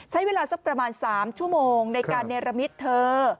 ใช้เวลาสักประมาณ๓ชั่วโมงในการเนรมิตเธอ